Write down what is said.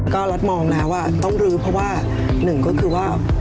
ก็รัฐมองแล้วว่าต้องรื้อเพราะว่าหนึ่งก็คือว่า